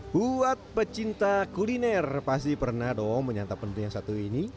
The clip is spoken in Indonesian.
buat pecinta kuliner pasti pernah dong menyantap menu yang satu ini